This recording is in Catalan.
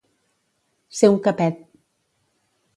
Ser un capet.